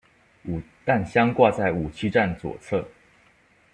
弹箱挂在武器站左侧。